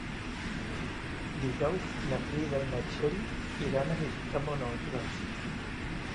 Dijous na Frida i na Txell iran a visitar mon oncle.